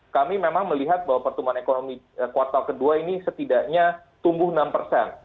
kami memang melihat bahwa pertumbuhan ekonomi kuartal kedua ini setidaknya tumbuh enam persen